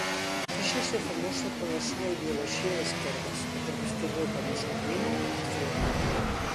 Fíxose famosa pola súa ideoloxía de esquerdas e por vestir roupa masculina occidental.